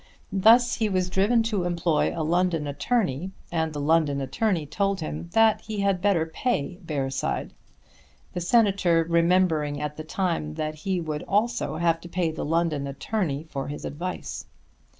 Thus he was driven to employ a London attorney, and the London attorney told him that he had better pay Bearside; the Senator remembering at the time that he would also have to pay the London attorney for his advice.